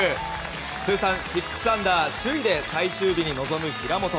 通算６アンダー、首位で最終日に臨む平本。